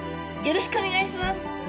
よろしくお願いします。